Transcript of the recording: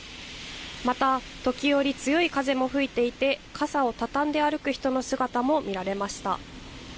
また時折、強い風も吹いていて傘を畳んで歩く人の姿も見られました。